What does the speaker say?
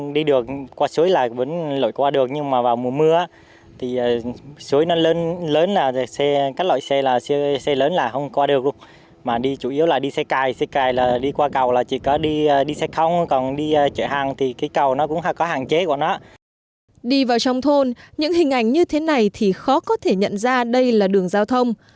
đi vào trong thôn những hình ảnh như thế này thì khó có thể nhận ra đây là đường giao thông